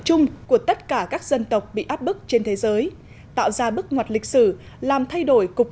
chung của tất cả các dân tộc bị áp bức trên thế giới tạo ra bức ngoặt lịch sử làm thay đổi cục